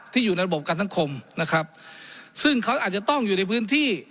อยู่ในระบบกันสังคมนะครับซึ่งเขาอาจจะต้องอยู่ในพื้นที่